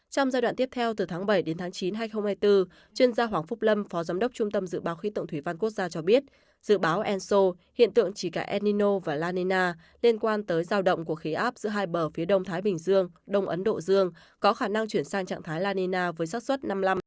trong giai đoạn tiếp theo từ tháng bảy đến tháng chín chuyên gia hoàng phúc lâm phó giám đốc trung tâm dự báo khí tượng thủy văn quốc gia cho biết dự báo enso hiện tượng chỉ cả enino và lanina liên quan tới giao động của khí áp giữa hai bờ phía đông thái bình dương đông ấn độ dương có khả năng chuyển sang trạng thái lanina với sát xuất năm mươi năm sáu mươi năm